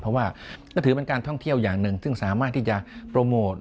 เพราะว่าก็ถือเป็นการท่องเที่ยวอย่างหนึ่งซึ่งสามารถที่จะโปรโมท